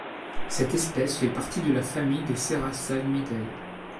Cette espèce fait partie de la famille des Serrasalmidae.